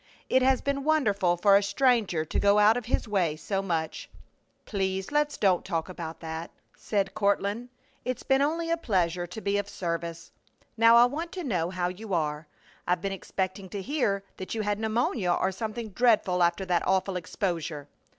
"It has been wonderful for a stranger to go out of his way so much." "Please don't let's talk about that!" said Courtland. "It's been only a pleasure to be of service. Now I want to know how you are. I've been expecting to hear that you had pneumonia or something dreadful after that awful exposure."